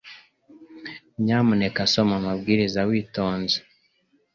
Nyamuneka soma amabwiriza witonze